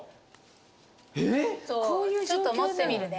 ちょっと持ってみるね。